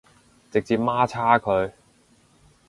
直接媽叉佢